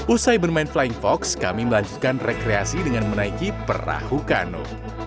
usai bermain flying fox kami melanjutkan rekreasi dengan menaiki perahu kanu